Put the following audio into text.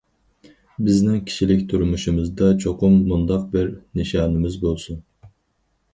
بىزنىڭ كىشىلىك تۇرمۇشىمىزدا چوقۇم مۇنداق بىر نىشانىمىز بولسۇن.